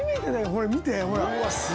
これ見てほら。